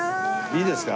いいですか？